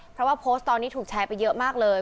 เพราะว่าโพสต์ตอนนี้ถูกแชร์ไปเยอะมากเลย